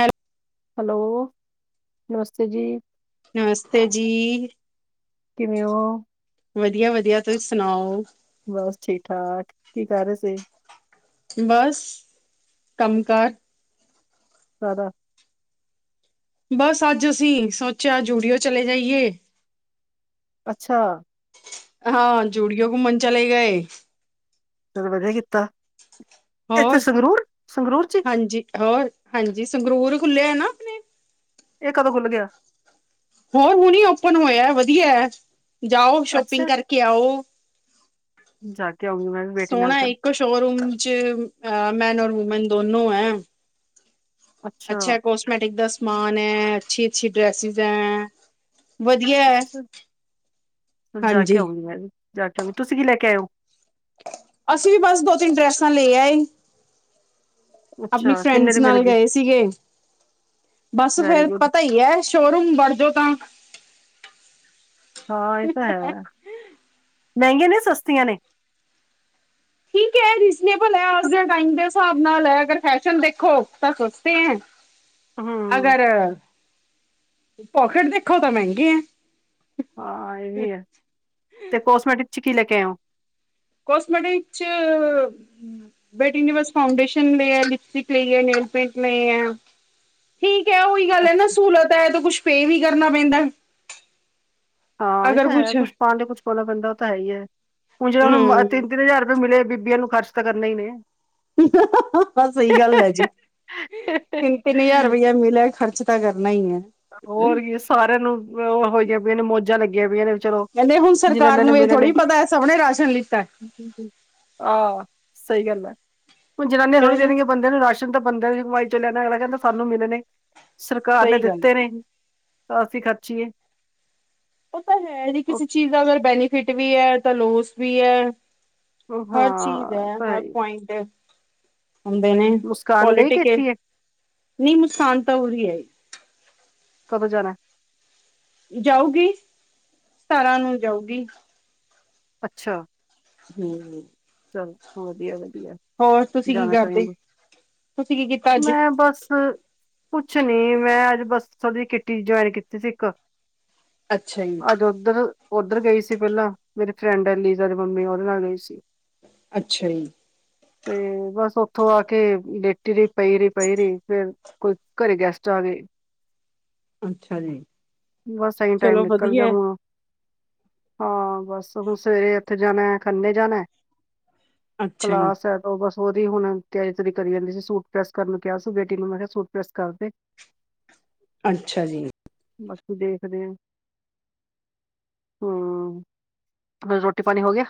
Hello hello ਨਮਸਤੇ ਜੀ। ਨਮਸਤੇ ਜੀ। ਕਿਵੇਂ ਹੋ ਵਧੀਆ- ਵਧੀਆ, ਤੁਸੀਂ ਸੁਣਾਓ। ਬਸ ਠੀਕ- ਠਾਕ, ਕੀ ਕਰ ਰਹੇ ਸੀ। ਬਸ ਕੰਮ ਕਾਰ [inaudible] ਬਸ ਅੱਜ ਅਸੀਂ ਸੋਚਿਆ, ਜੂਡੀਓ ਚਲੇ ਜਾਈਏ ਅੱਛਾ ਹਾਂ ਜੂਡੀਓ ਘੁੰਮਣ ਚਲੇ ਗਏ ਚਲੋ ਵਧੀਆ ਕੀਤਾ, ਇੱਥੇ ਹੋਰ ਸੰਗਰੂਰ, ਸੰਗਰੂਰ ਚ ਹੀ ਹਾਂਜੀ ਹੋਰ ਹਾਂਜੀ ਸੰਗਰੂਰ ਖੁੱਲਿਆ ਨਾ ਆਪਣੇ ਇਹ ਕਦੋਂ ਖੁੱਲ੍ਹ ਗਿਆ ਹੋਰ ਹੁਣ ਹੀ ਓਪਨ ਹੋਇਆ, ਵਧੀਆ ਹੈ ਜਾਓ ਸ਼ੋਪਿੰਗ ਅੱਛਾ ਕਰਕੇ ਆਓ, ਜਾ ਕੇ ਆਉਂਗੀ ਮੈਂ ਵੀ ਬੇਟੀ ਨਾਲ ਸੋਹਣਾ ਫਿਰ ਇੱਕ ਸ਼ੋਰੂਮ ਚ ਮੈਨ ਔਰ ਵੂਮੈਨ ਦੋਨੋ ਹੈ ਅੱਛਾ ਕੋਸਮੈਟਿਕ ਦਾ ਸਮਾਨ ਹੈ, ਅੱਛੀ -ਅੱਛੀ ਡ੍ਰੈਸਿਸ ਹੈ ਵਧੀਆ ਹੈ ਅੱ ਜਾ ਕੇ ਹਾਂਜੀ ਆਉਂਗੀ ਮੈਂ ਵੀ, ਜਾ ਕੇ ਆਉਗੀ, ਤੁਸੀਂ ਕੀ ਲੈ ਕੇ ਆਇਓ ਅਸੀਂ ਵੀ ਬਸ ਦੋ ਤਿੰਨ ਡਰੈਸਟਾਂ ਲੈ ਆਏ ਆਪਣੀ ਅੱਛਾ ਕਿੰਨੇ ਫਰੈਂਡਸ ਦੇ ਮਿਲ ਨਾਲ ਗਏ ਸੀਗੇ, ਬਸ ਵੈਰੀ ਫੇਰ ਗੁੱਡ ਪਤਾ ਹੀ ਹੈ ਸ਼ੋਰੂਮ ਵੜ ਜਾੋ ਤਾਂ ਹਾਂ ਇਹ ਤਾਂ ਹੈ, ਮਹਿੰਗੀਆਂ ਨੇ ਸਸਤੀਆਂ ਨੇ? [unintelligible] ਰੀਸਰੇਬਲ ਐ, ਟਾਈਮ ਦੇ ਹਿਸਾਬ ਨਾਲ ਐ, ਅਗਰ ਫੈਸ਼ਨ ਦੇਖੋ ਤਾਂ ਸਸਤੇ ਹੈ। ਹੂੰ ਅਗਰ ਪੋਕਟ ਦੇਖੋ ਤਾਂ, ਮਹਿੰਗੇ ਹੈ ਹਾਂ ਇਹ ਵੀ ਹੈ, ਤੇ ਕੋਸਮੈਟਿਕ ਚ ਕੀ ਲੈ ਕੇ ਆਇਓ ਕਸਮੈਟਿਕ ਚ ਬੈਟੀ ਨੇ ਬਸ ਫਾਊਂਡੇਸ਼ਨ ਲ ਹੈ, ਲਿਪਸਟਿਕ ਲਈ ਹੈ, ਨੇਲ ਪੇਂਟ ਲ ਹੈ ਠੀਕ ਏ, ਉਹੀ ਗੱਲ ਐ ਨਾਂ, ਅੱਛਾ ਸਹੂਲਤ ਏ ਤਾਂ ਕੁਛ ਪੇ ਵੀ ਕਰਨਾ ਪੈਂਦਾ। ਹਾਂ ਇਹ ਤਾਂ ਐ, ਕੁਛ ਪਾਣ ਲਈ ਕੁਛ ਪਾਉਣਾ ਪੈਂਦਾ ਉਹ ਤਾਂ ਹੈ ਈ ਐ। ਹੁਣ ਜਿਹੜਾ ਉਹਨਾਂ ਹਮ ਤਿੰਨ-ਤਿੰਨ ਹਜ਼ਾਰ ਰੁਪਏ ਮਿਲੇ ਬੀਬੀਆਂ ਨੂੰ ਖਰਚ ਤਾਂ ਕਰਨਾ ਈ ਨੇਂ [unintelligible] ਸਹੀ ਗੱਲ ਏ ਜੀ। [unintelligible] ਤਿੰਨ-ਤਿੰਨ ਹਜ਼ਾਰ ਰੁਪਇਆ ਮਿਲਿਆ, ਖਰਚ ਤਾਂ ਕਰਨਾ ਹੀ ਐ। ਹੋਰ ਕੀ ਸਾਰਿਆਂ ਨੂੰ ਅ ਹੋਈਆਂ ਪਈਆਂ ਨੇਂ, ਮੌਜਾਂ ਲੱਗੀਆਂ ਪਈਆਂ ਨੇਂ। ਕਹਿੰਦੇ ਹੁਣ ਸਰਕਾਰ ਨੂੰ ਇਹ ਥੋੜ੍ਹੀ ਪਤਾ ਐ, ਸਭ ਨੇਂ ਰਾਸ਼ਨ ਲਿੱਤਾ। ਆਹ ਸਹੀ ਗੱਲ ਐ, ਹੁਣ ਜਨਾਨੀਆਂ ਕਿਉਂ ਥੋੜ੍ਹੀ ਨਹੀਂ ਦੇਣਗੀਆਂ ਬੰਦੇ ਨੂੰ ਰਾਸ਼ਨ ਤਾਂ ਬੰਦੇ ਦੀ ਗਵਾਈ ਚ ਲਿਆਣਾ ਅਗਲਾ ਕਹਿੰਦਾ ਸਾਨੂੰ ਮਿਲਣੇ ਸਰਕਾਰ ਨੇਂ ਸਹੀ ਦਿੱਤ ਗੱਲ ਹੈ ਤਾਂ ਅਸੀਂ ਖਰਚੀਏ ਪਤਾ ਹੈ ਨੀਂ ਕਿਸੇ ਚੀਜ਼ ਦਾ ਅਗਰ ਬੈਨੀਫਿਟ ਵੀ ਐ ਤਾਂ ਲੋਸ ਵੀ ਐ। ਹਰ ਹਾਂ ਚੀਜ਼ ਹੈ ਤਾਂ ਹਰ ਹੀ ਪੁਆਇੰਟ ਹੁੰਦੇ ਨੇਂ, ਮੁਸਕਾਨ ਗਈ ਕਿ ਪੋਲੀਟੀਿਕ ਏ, ਇੱਥੇ ਹੀ ਹੈ ਮੁਸਕਾਨ ਤਾਂ ਉਹੀ ਐ। ਕਦੋਂ ਜਾਣਾ? ਜਾਊਗੀ, ਸਤਾਰਾਂ ਨੂੰ ਜਾਊਗੀ। ਅੱਛਾ ਹਮ ਚੱਲੋ, ਵਧੀਆ ਵਧੀਆ, ਹੋਰ ਤੁਸੀਂ ਕੀ ਜਾਣਾ ਕਰਦੇ ਚਾਈਦਾ। ਤੁਸੀਂ ਕੀ ਕੀਤਾ। ਅੱਜ ਮੈਂ ਬਸ ਕੁਛ ਨੀਂ ਮੈਂ ਅੱਜ ਬੱਸ ਥੋੜੀ ਜਿ ਕਿਟੀ ਜੁਆਇਨ ਕੀਤੀ ਸੀ ਇੱਕ ਅੱਛਾ ਜੀ। ਅੱਜ ਓਧਰ, ਉਧਰ ਗਈ ਸੀ ਪਹਿਲਾਂ, ਮੇਰੀ ਫਰੈਂਡ ਐ ਲੀਜਾ ਦੀ ਮੰਮੀ ਉਹਦੇ ਨਾਲ ਗਈ ਸੀ। ਅੱਛਾ ਜੀ। ਤੇ ਬਸ ਉੱਥੋਂ ਆ ਕੇ ਲੇਟੀ ਰਹੀ, ਪਈ ਰਹੀ, ਪਈ ਰਹੀ। ਫਿਰ ਕੋਈ ਘਰੇ ਗੈਸਟ ਆ ਗਏ। ਅੱਛਾ ਜੀ ਬਸ ਐਂਈਂ ਟਾਈਮ ਚਲੋ ਨਿਕਲ ਗਿਆ ਵਧੀਆ ਹੁਣ। ਹਾਂ ਬਸ ਹੁਣ ਸਵੇਰੇ ਉੱਥੇ ਜਾਣਾ ਖੰਨੇ ਜਾਣਾ। ਅੱਛਾ ਜੀ ਕਲਾਸ ਐ ਉਹ ਬਸ ਉਹਦੀ ਹੁਣ ਤਿਆਰੀ-ਤੁਰੀ ਕਰੀ ਜਾਂਦੀ ਸੀ। ਸੂਟ ਪ੍ਰੈਸ ਕਰਨ ਨੂੰ ਕਿਹਾ ਸੀ ਬੇਟੀ ਨੂੰ ਮੈਂ ਕਿਹਾ ਸੂਟ ਪ੍ਰੈਸ ਕਰਦੇ। [unintelligible] ਅੱਛਾ ਜੀ। ਬਾਕੀ ਦੇਖਦੇ ਆਂ, ਹਾਂ। ਹੁਣ ਰੋਟੀ-ਪਾਣੀ ਹੋ ਗਿਆ।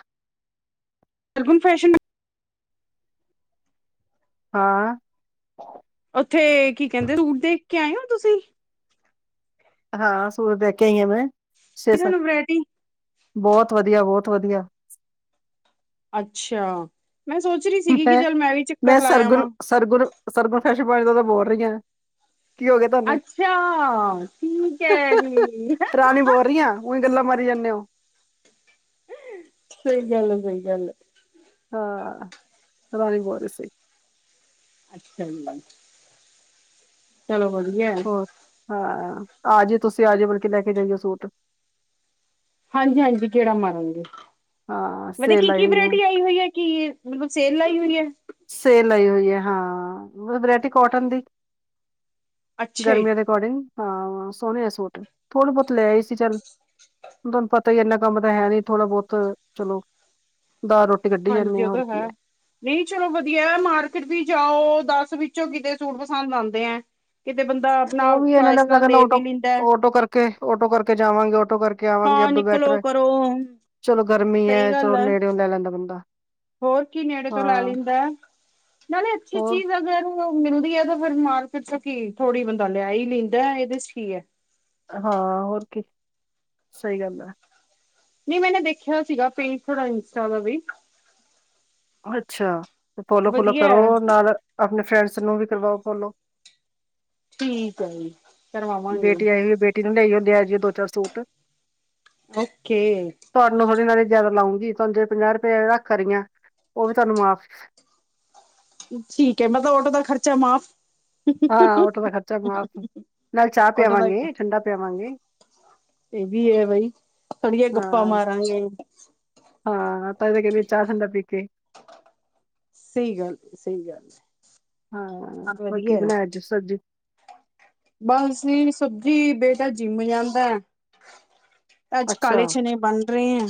ਅਲਗੁਨ ਫੈਸ਼ਨ ਹਾਂ। ਉੱਥੇ ਕੀ ਕਹਿੰਦੇ ਸੂਟ ਦੇਖ ਕੇ ਆਏ ਓਂ ਤੁਸੀਂ? ਹਾਂ ਸੂਰ ਦੇਖ ਕੇ ਆਈ ਆ ਮੈਂ ਛੇ ਸੱ, ਤੁਹਾਨੂੰ ਵਰਾਇਟੀ ਬੋਤ ਵਧੀਆ ਬੋਤ ਵਧੀਆ। ਅੱਛਾ, ਮੈਂ ਸੋਚ ਰੀ ਸੀਗੀ ਕਿ ਚੱਲ ਮੈਂ ਵੀ ਚੱਕਰ ਲਾਇ ਆਵਾਂ। ਸਰਗੁਨ, ਸਰਗੁਨ ਫੈਸ਼ਨ ਪਾਆਣੀ ਦਾ ਤਾਂ ਬੋਲ ਰੀਆਂ। ਕੀ ਹੋ ਗਿਆ ਤੁਹਾਨੂੰ? ਅੱਛਾ, ਠੀਕ ਹੈ [unintelligible] ਜੀ। ਰਾਣੀ ਬੋਲ ਰੀ ਆ। ਉਈ ਗੱਲਾਂ ਮਾਰੀ ਜਾਂਨੇ ਓ। [unintelligible] ਸਈ ਗੱਲ ਸਈ ਗੱਲ। ਹਾਂ, ਰਾਣੀ ਬੋਲ ਰਹੀ ਸੀ। ਅੱਛਾ ਜੀ [unintelligible] ਚਲੋ ਵਧੀਆ। ਹੋਰ ਹਾਂ, ਆ ਜਇਉ ਤੁਸੀਂ ਆਜੋ ਬਲਕਿ ਲੈ ਕੇ ਜਾਈਓ ਸੂਟ। ਹਾਂਜੀ, ਹਾਂਜੀ ਗੇੜਾ ਮਾਰਾਂਗੇ, ਹਾਂ ਪਤਾ ਸੇਲ ਆਈ ਕੀ-ਕੀ ਹੋਈ ਹੈ ਵਿਰਾਇਟੀ ਆਈ ਹੋਈ ਏ? ਕੀ? ਮਤਲਬ ਸੇਲ ਲਾਈ ਹੋਈ ਐ। ਸੇਲ ਲਾਈ ਹੋਈ ਐ ਹਾਂ, ਵਰਾਇਟੀ ਕੋਟਨ ਦੀ, ਅੱਛਾ ਜੀ, ਗਰਮੀਆਂ ਦੇ ਅਕੋਡਿੰਗ ਹਾਂ, ਸੋਹਣੇ ਆ ਸੂਟ ਥੋੜੇ ਬਹੁਤ ਲੈ ਆਈ ਸੀ ਚੱਲ। ਤੁਹਾਨੂੰ ਪਤਾ ਈ ਇੰਨਾ ਕੰਮ ਤਾਂ ਹੈ ਨੀ ਥੋੜਾ ਬਹੁਤ ਚਲੋ, ਦਾ ਰੋਟ ਹਾਂਜੀ ਉਹ ਤਾ ਹੈ। ਨੀ ਚਲੋ ਵਧੀਆ ਮਾਰਕੀਟ ਵੀ ਜਾਓ ਦੱਸ ਵਿੱਚੋਂ ਕਿਤੇ ਸੂਟ ਪਸੰਦ ਆਂਦੇ ਐ। ਕਿਤੇ ਬੰਦਾ ਉਹ ਵੀ ਇਹਨਾਂ ਲੱਗ ਕਹਿੰਦਾ ਮੈਂ ਵੀ ਓਟੋ, ਲੈਂਦਾ। ਹੈ। ਓਟੋ ਕਰਕੇ ਓਟੋ ਕਰਕੇ ਜਾਵਾਂਗੇ ਓਟੋ ਕਰਕੇ ਆਵਾਂਗੇ ਏਦੁ ਬੈਟਰ ਐ ਪਰ ਓ ਚਲੋ ਗਰਮੀ ਐ ਚਲੋ ਨੇੜਿਓ ਲੈ ਲੈਂਦਾ ਬੰਦਾ। ਹੋਰ ਕੀ ਨੇੜੇ ਤੋਂ ਲੈ ਹਾਂ ਲੈਂਦਾ ਨਾਲੇ ਅੱਛੀ ਹੋਰ ਚੀਜ਼ ਅਗਰ ਮਿਲਦੀ ਏ ਤਾਂ ਫੇਰ ਮਾਰਕੀਟ ਚੋਂ ਕੀ ਥੋੜੀ ਬੰਦਾ ਲਿਆ ਈ ਲੈਂਦਾ ਇਹਦੇ 'ਚ ਕੀ ਐ। ਹਾਂ ਹੋਰ ਕੀ, ਸਈ ਗੱਲ ਐ। ਨੀ ਮੈਨੇ ਦੇਖਿਆ ਸੀਗਾ ਪੇਜ ਥੋੜਾ ਇੰਸਟਾ ਆਲਾ ਵੀ। ਅੱਛਾ ਤੇ ਫੋਲੋ ਫੁਲੋ ਵਧੀਆ ਕਰੋ ਹੈ ਨਾਲ ਆਪਣੇ ਫਰੈਂਡਸ ਨੂੰ ਵੀ ਕਰਵਾਓ ਫੋਲੋ। ਠੀਕ ਐ ਜੀ। ਕਰਵਾਵਾਂਗੇ ਬੇਟੀ ਆਈ ਹੋਈ ਏ ਬੇਟੀ ਨੂੰ ਲੈ ਆਇਓ ਦੀਆ ਜੀ ਓ ਦੋ ਚਾਰ ਸੂਟ। ਓਕੇ। ਤੁਹਾਨੂੰ ਥੋੜੀ ਨਾਅ ਨੀ ਜਿਆਦਾ ਲਾਉਂਗੀ ਤੁਹਾਨੂੰ ਜੇ ਪੰਜਾਹ ਰੁਪਏ ਰੱਖ ਰੀਆ ਉਹ ਵੀ ਤੁਹਾਨੂੰ ਮਾਫ਼। ਠੀਕ ਏ ਮਤਲਬ ਓਟੋ ਦਾ ਖਰਚਾ ਮਾਫ਼ ਹਾਂ ਓਟੋ ਦਾ ਖਰਚਾ ਮਾਫ ਨਾਲੇ ਚਾਹ ਆਟੋ ਦਾ ਪਿਆਵਾਂਗੇ, ਠੰਡਾ ਪਿਆਵਾਂਗੇ। ਇਹ ਵੀ ਏ ਬਈ ਥੋੜੀਆਂ ਗੱਪਾਂ ਹਾਂ ਮਾਰਾਂਗੇ। ਹਾਂ ਤਾਂ ਈ ਤ ਕਹਿੰਨੀ ਚਾਹ, ਠੰਡਾ ਪੀ ਕੇ। ਸਈ ਗੱਲ ਸਈ ਗੱਲ। ਹਾਂ ਹੈ ਪਰ ਕੀ ਵਧੀਆ ਹੈ। ਬਣਾਇਆ ਜੇ ਸਬਜ਼ੀ ਬਸ ਨੀ ਸਬਜ਼ੀ ਬੇਟਾ ਜਿੰਮ ਜਾਂਦਾ ਐ। ਅੱਜ ਅੱਛਾ ਕਾਲੇ ਚਣੇ ਬਣ ਰਹੇ ਐ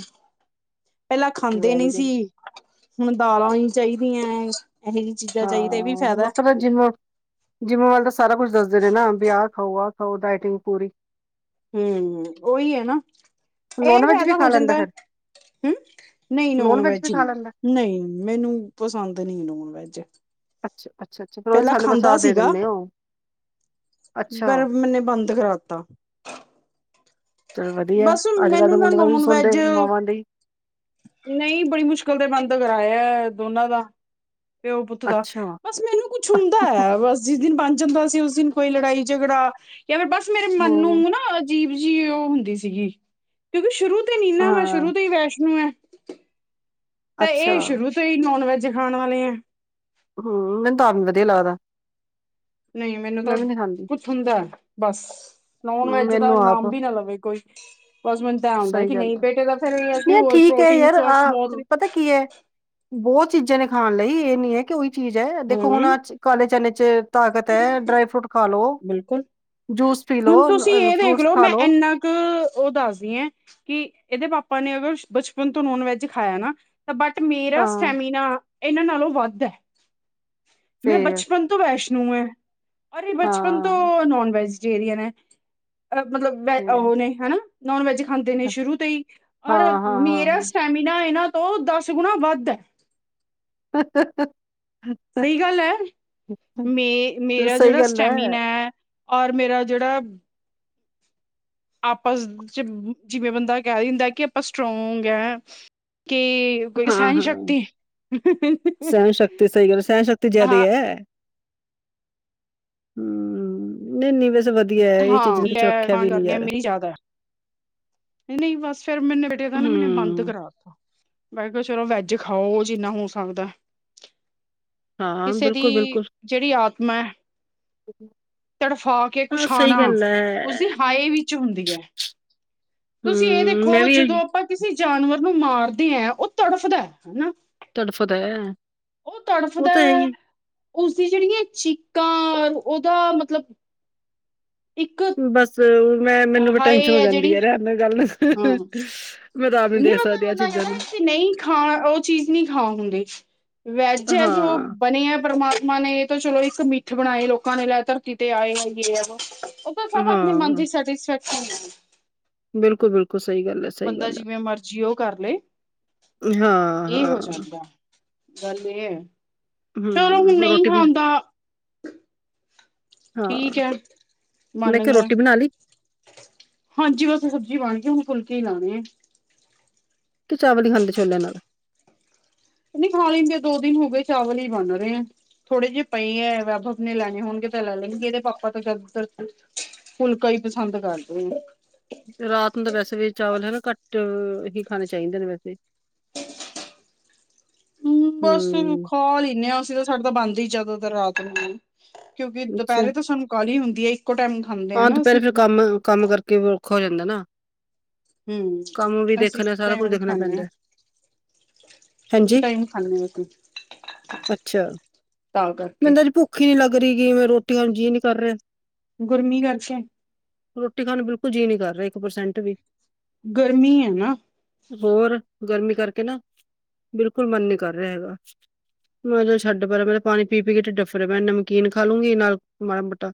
ਪਹਿਲਾਂ ਖਾਂਦੇ ਵੈਰੀ ਨਈ ਸੀ। ਗੁੱਡ ਹੁਣ ਦਾਲਾਂ ਹੀ ਚਾਹੀਦੀਆਂ ਇਹੋ ਜਿਹੀ ਚੀਜ਼ਾਂ ਚਾਹੀਦਾ ਇਹ ਵੀ ਹਾਂ ਫਾਇਦਾ ਮ ਤੇਬ ਜਿੰਮ ਜਿੰਮ ਵੱਲ ਤਾਂ ਸਾਰਾ ਕੁਛ ਦੱਸਦੇ ਨੇ ਨਾ ਵਿਆਹ ਖਾਓ ਆਹ ਖਾਓ ਡਾਇਟਿੰਗ ਪੂਰੀ ਹਮ ਓਹੀ ਹੈ। ਨਾ ਨੋਨ ਇਹ ਵੈਜ ਵੀ ਫਾਇਦਾ ਹੋ ਖਾ ਲੈਂਦਾ ਜਾਂਦਾ ਫਿਰ ਹਮ ਨਹੀਂ ਨੋਨ ਵੀ ਵੈਜ ਖਾ ਲੈਂਦਾ ਨਹੀਂ। ਮੈਨੂੰ ਪਸੰਦ ਨੀ ਨੋਨ ਵੈਜ ਅਛ ਅੱਛਾ ਅੱਛਾ ਫਿਰ ਉਹਦੀ ਪਹਿਲਾਂ ਸਾਨੂੰ ਬਸਾ ਖਾਂਦਾ ਦੇ ਦਿੰਦੇ ਆ ਉਹ ਬਰਫ਼ ਮੈਨੇ ਬੰਦ ਕਰਾਤਾ ਚਲ ਵਧੀਆ ਬਸ ਅੱਜ ਕੱਲ੍ਹ ਦੇ ਮੈਨੂੰ ਨਾ ਮੁੰਡੇ ਤਾਂ ਵੀ ਨੋਨ ਵੈਜ ਸੁਣਦੇ ਮਾਵਾਂ ਦੀ ਨਹੀਂ ਬੜੀ ਮੁਸ਼ਕਿਲ ਤੇ ਬੰਦ ਕਰਾਇਆ ਦੋਨਾਂ ਦਾ ਪਿਓ ਪੁੱਤ ਦਾ ਅੱਛਾ ਬਸ ਮੈਨੂੰ ਕੁਛ ਹੁੰਦਾ ਹੈ। ਬਸ ਜਿਸ ਦਿਨ ਬਣ ਜਾਂਦਾ ਸੀ ਉਸ ਦਿਨ ਕੋਈ ਲੜਾਈ ਝਗੜਾ ਜਾਂ ਫਿਰ ਬਸ ਮੇਰੇ ਮਨ ਨੂੰ ਹੂੰ ਨਾ ਅਜੀਬ ਜੀ ਉਹ ਹੁੰਦੀ ਸੀਗੀ ਕਿਉਂਕਿ ਸ਼ੁਰੂ ਤੇ ਨੀਨਾ ਮੈਂ ਹਾਂ ਸ਼ੁਰੂ ਤੋਂ ਹੀ ਵੈਸ਼ਨੂੰ ਹੈ। ਤਾਂ ਇਹ ਅੱਛਾ ਸ਼ੁਰੂ ਤੋਂ ਹੀ ਨੋਨ ਵੈਜ ਖਾਣ ਵਾਲੇ ਹੈ। ਮੈਨੂੰ ਤਾਂ ਆਪ ਨੀ ਵਧੀਆ ਲੱਗਦਾ ਨਹੀਂ ਮੈਨੂੰ ਤਾਂ ਮੈਂ ਵੀ ਨਹੀਂ ਖਾਂਦੀ ਕੁਛ ਹੁੰਦਾ ਬਸ ਨੋਨ ਹੂੰ, ਵੈਜ ਮੈਨੂੰ ਦਾਨਾਮ ਆਪ ਵੀ ਨਾ ਲਵੇ ਕੋਈ ਬਸ ਮੈਨੂੰ ਤ ਆਉਂਦਾ ਸਹੀ ਕਿ ਗੱਲ ਨਹੀਂ ਹੈ। ਬੇਟੇ ਦਾ ਫੇਰ ਇਹ ਹੈ। ਕਿ ਨਹੀਂ ਹੋਰ ਠੀਕ ਹੈ ਪ੍ਰੋਟੀਨ ਯਾਰ ਆ ਸੋਰਸ ਬਹੁਤ ਨੇ ਪਤਾ ਕੀ ਹੈ ਬਹੁਤ ਚੀਜ਼ਾਂ ਨੇ ਖਾਣ ਲਈ ਇਹ ਨੀ ਹੈ। ਕਿ ਉਹੀ ਚੀਜ਼ ਹੈ। ਦੇਖੋ ਹੁਣ ਹੂੰ ਅੱ ਕਾਲੇ ਚਨੇ ਚ ਤਾਕਤ ਐ ਡਰਾਈ ਫਰੂਟ ਖਾ ਲੋ, ਬਿਲਕੁਲ ਜੂਸ ਪੀ ਲੋ ਅ ਫਰੂਟਸ ਖਾ ਲੋ। ਇੱਕ ਉਹ ਦੱਸਦੀ ਐ ਕਿ ਇਹਦੇ ਪਾਪਾ ਨੇ ਅਗਰ ਬਚਪਨ ਤੋਂ ਨੋਨ ਵੈਜ ਖਾਇਆ ਨਾ। ਬਟ ਮੇਰਾ ਹਾਂ ਸਟੈਮੀਨਾ ਇਹਨਾਂ ਨਾਲੋਂ ਵੱਧ ਐ, ਮੈਂ ਫੇਰ ਬਚਪਨ ਵੈਸ਼ਨੂ ਐ ਔਰ ਏ ਬਚ ਹਾਂ ਹੁਣ ਵੈਜੀਟੈਰੀਅਨ ਐ, ਅਹ ਮਤਲਬ ਵ ਤੇ ਉਹ ਨੇ ਹਨਾ। ਨੋਨ ਵੈਜ ਖਾਂਦੇ ਨੇ ਹਾਂ ਸ਼ੁਰੂ ਤੋਂ ਹੀ ਔਰ ਹਾਂ ਹਾਂ ਮੇਰਾ ਹਾਂ ਸਟੈਮੀਨਾ ਹੈ। ਨਾ ਤੋਂ ਦਸ ਗੁਣਾ ਵੱਧ ???? ਸਹੀ ਗੱਲ ਐ। ਮੇ ਮੇਰਾ ਸਹੀ ਜਿਹੜਾ ਗੱਲ ਹੈ ਸਟੈਮੀਨੈ ਔਰ ਮੇਰਾ ਜੇੜਾ ਆਪਸ ਚ ਜਿਵੇਂ ਬੰਦਾ ਕਹਿ ਦਿੰਦਾ ਕਿ ਆਪਾਂ ਸਟਰੋਂਗ ਐਂ, ਕਿ ਕੋਈ ਹਾਂ ਸਹਿਣ ਹਾਂ, ਸ਼ਕਤੀ ਸਹਿਣ ਸ਼ਕਤੀ ਸਹੀ ਗੱਲ ਸਹਿਣ ਸ਼ਕਤੀ ਜਿਆਦੇ ਹਾਂ ਐ। ਹੂੰ, ਨਹੀਂਨੀ ਵੈਸ ਵਧੀ ਹਾਂ ਲੈ ਖਣ ਕਰ ਆ ਮੇਰੀ ਜ਼ਿਆਦਾ [unintelligible] ਨਈਂ ਬਸ ਫੇਰ ਮੈਨੇ ਬੇਟੇ ਦਾ ਨਾ ਮੈਨੇ ਬੰਦ ਹਮ ਕਰਾਤਾ। ਮੈਂ ਕਿਹਾ ਚਲੋ ਵੈੱਜ ਖਾਓ, ਜਿੰਨਾ ਹੋ ਸਕਦਾ। ਹਾਂ ਕਿਸੇ ਦੀ ਜਿਹੜੀ ਆਤਮੈਂਏਂ। ??? [unintelligible] ਤੜਫਾ ਕੇ ਕੁਛ ਖਾਣਾ, ਹੈ ਉਸਦੀ ਹਾਏ ਵਿੱਚ ਹੁੰਦੀ ਐ। ਤੁਸੀਂ ਇਹ ਹਮ ਮੈਂ ਦੇਖੋ ਵੀ ਜਦੋਂ ਆਪਾਂ ਕਿਸੇ ਜਾਨਵਰ ਨੂੰ ਮਾਰਦੇਂਐਂ ਉਹ ਤੜਫਦੈ ਹਨਾ? ਤੜਫਦਾ ਹੈ ਉਹ ਉਹ ਤੜਫਦੈ ਤਾਂ ਹੈ ਹੀ ਉਸਦੀ ਜਿਹੜੀਆਂ ਚੀਕਾਂ, ਉਹਦਾ ਮਤਲਬ ਇੱਕ ਬਸ ਮੈਂ ਮੈਨੂੰ ਵੀ ਟੈਨਸ਼ਨ ਹਾਏ ਹੋ ਹੈ ਜਾਂਦੀ ਜਿਹੜੀ ਐ, ਰ ਮ ਗੱਲ ਹਾਂ ਮੈਂ ਤਾਂ ਆਪ ਨੀ ਨਹੀਂ ਦੇਖ ਮਦਾ ਸਕਦੀ ਆ ਬੰਦਾ ਚੀਜ਼ਾਂ ਨੂੰ ਕਹਿੰਦਾ ਨਹੀਂ ਖਾਂ, ਉਹ ਚੀਜ਼ ਨੀਂ ਖਾ ਹੁੰਦੀ। ਵੈੱਜ ਐ ਜੋ ਹਾਂ ਬਨਿਐ ਪਰਮਾਤਮਾ ਨੇ ਤਾਂ ਚਲੋ ਇੱਕ ਮਿੱਥ ਬਣਾਏ ਲੋਕਾਂ ਨੇ ਲੈ ਧਰਤੀ ਤੇ ਆਏ ਹੈਗੇ ਆ ਵਾ ਸਭ ਆਪਣੇ ਮਨ ਹਾਂ ਦੀ ਸੈਟਿਸਫੈਕਸ਼ਨ ਐ। ਬਿਲਕੁ ਬਿਲਕਲ ਕੁ ਸਈ ਗੱਲ ਐ। ਬੰਦਾ ਜਿਵੇਂ ਮਰਜ਼ੀ ਓ ਕਰ ਲੇ। ਹਾਂ ਇਹ ਹੋ ਹਾਂ ਜਾਂਦਾ, ਗੱਲ ਇਹ ਐ। ਹੂੰ, ਰੋਟੀ ਬ ਠੀਕ ਹਾਂ, ਹੈ ਮੈਂ ਮੰਨ ਕਿਆ ਗਿਆ ਰੋਟੀ ਬਣਾ ਲਈ? ਹਾਂਜੀ ਬਸੇ ਸਬਜ਼ੀ ਬਣਗੀ, ਹੁਣ ਫੁਲਕੇ ਈ ਲਾਣੇ ਏਂ। ਤੇ ਚਾਵਲ ਹੀ ਖਾਂਦੇ ਛੋਲਿਆਂ ਨਾਲ? ਨਹੀਂ ਖਾ ਲੈਂਦੇ ਦੋ ਦਿਨ ਹੋ ਗਏ ਚਾਵਲ ਹੀ ਬਂਨ ਰਏਂ ਐਂ। ਥੋੜੇ ਜਿਹੇ ਪਏਂ ਐਂ ਪ੍ਰਬਜੋ ਨੇ ਲੈਣੇ ਹੋਣਗੇ ਤਾਂ ਲੈ ਲੈਣਗੇ ਇਹਦੇ ਪਾਪਾ ਤੋਂ ਚਲ ਫੁਲਕਾ ਹੀ ਪਸੰਦ ਕਰਦੇਂ ਐਂ। ਰਾਤ ਨੂੰ ਤਾਂ ਵੈਸੇ ਵੀ ਚਾਵਲ ਹਨਾ ਘੱਟ, ਹੀ ਖਾਣੇ ਚਾਹੀਦੇ ਨੇ ਵੈਸੇ। [unintelligible] ਹੂੰ ਬਸ ਹਮ ਖਾ ਲਿੱਨੇ ਆਂ ਅਸੀਂ ਤਾਂ ਸਾਡੇ ਤਾਂ ਬੰਨਦੀ ਜਾਦਤਰ ਰਾਤ ਨੂੰ ਐਂ। ਕਿਉਂਕਿ ਦੁਪਹਿਰੇ ਤੋਂ ਸਾਨੂੰ ਕਾਹਲੀ ਹੁੰਦੀ ਐ ਇੱਕੋ ਟਾਈਮ ਖਾਂਦੇ ਆ ਆਂ ਨਾ ਦੁਪਹਿਰੇ ਅਸੀਂ ਫਿਰ ਕੰਮ, ਕੰਮ ਕਰਕੇ ਔਖਾ ਹੋ ਜਾਂਦਾ ਨਾ? ਹਮ ਕੰਮ ਵੀ ਅਸੀਂ ਦੇਖਨੈ ਇੱਕ ਸਾਰਾ ਕੁਝ ਟਾਈਮ ਦੇਖਣਾ ਖਾਂਦੇ ਹਾਂ ਪੈਂਦੈ। ਇੱਕ ਹਾਂਜੀ? ਟਾਈਮ ਖਾਂਦੇ ਹਾਂ ਅਸੀਂ ਅੱਛਾ, ਤਾਂ ਕਰਕੇ ਬੰਦਾ ਜੀ ਭੁੱਖ ਭੁਖ ਈ ਨੀ ਲਗਰਿਗੀ, ਰੋਟੀ ਆਂ ਨੂਂ ਜੀ ਨੀਂ ਕਰ ਰਿਆ। ਗੁਰਮੀ ਕਰ ਕੇ ਰੋਟੀ ਖਾਣ ਨੂੰ ਬਿਲਕੁਲ ਜੀਅ ਨੀ ਕਰ ਰਿਹਾ ਇੱਕ ਪਰਸੈਂਟ ਵੀ। ਗਰਮੀ ਐ ਨਾ? ਹੋਰ, ਗਰਮੀ ਕਰਕੇ ਨਾ, ਬਿਲਕੁਲ ਮਨ ਨੀ ਕਰ ਰਿਆ ਹੈਗਾ। ਮੈਂ ਜਦੋਂ ਛੱਡ ਪਰਾਂ ਮੈਂ ਤਾਂ ਪਾਣੀ ਪੀ-ਪੀ ਕੇ ਢਿੱਡੱ ਅੱਫਰੇ ਪਏ ਨੇ, ਨਮਕੀਨ ਖਾ ਲੂੰਗੀ ਨਾਲ ਮਾੜਾ ਮੋਟਾ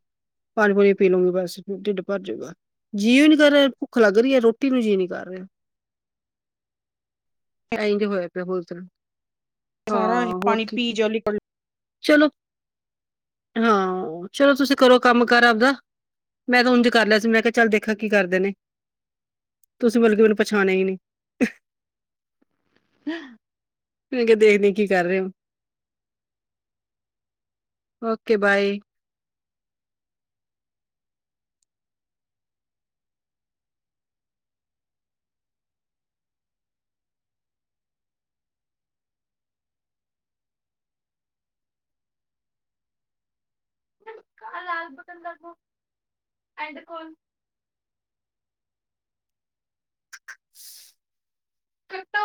[unintelligible] ਪੀ ਲੁਂਗੀ ਬਸ ਢਿੱਡ ਭਰਜੂਗਾ, ਜੀ ਵੀ ਨੀ ਕਰ ਰਿਆ ਭੁੱਖ ਲੱਗ ਰਈ ਏ ਰੋਟੀ ਨੂੰ ਜੀਅ ਨੀ ਕਰ ਰਿਆ। ਇ ਜੋ ਹੋਇਆ [unintelligible] ਪਿਆ ਬੋਲਦੇ ਆ ਸਾਰਾ ਇਹ ਹੋਰ ਪਾਣੀ ਕੀ ਪੀ ਜਾਓ ਲਿਕੁਇਡ ਚਲੋ, ਹਾਂ ਚਲੋ ਤੁਸੀਂ ਕਰੋ ਕੰਮ ਕਾਰ ਆਪਦਾ। ਮੈਂ ਤਾਂ ਉੰਝ ਕਰ ਲਿਆ ਸੀ ਮੈਂ ਕਿਹਾ ਚੱਲ ਦੇਖਾਂ ਕੀ ਕਰਦੇ ਨੇ। ਤੁਸੀਂ ਮਤਲਬ ਮੈਨੂੰ ਪਛਾਣਿਆ ਹੀ ਨਹੀਂ ਮ ਕਿਹਾ ਦੇਖਦੇ ਕੀ ਕਰ ਰਹੇ ਹੋ ਓਕੇ ਬਾਏ [unintelligible] ਲਾਲ ਪਤੰਦਰ ਕੋ ਐਂਡ ਕੋ [unintelligible] ਕੱਟੋ